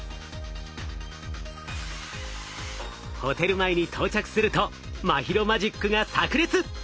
ホテル前に到着すると茉尋マジックがさく裂！